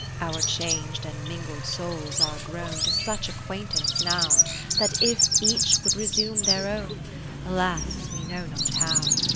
Ill Our chang'd and mingled souls are grown To such acquaintance now. That if each would resume their own, Alas ! we know not how.